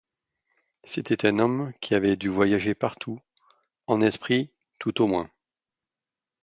C’était un homme qui avait dû voyager partout, — en esprit, tout au moins.